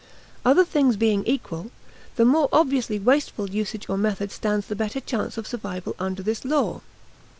Other thing being equal, the more obviously wasteful usage or method stands the better chance of survival under this law.